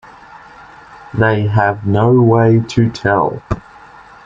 They have no way to tell.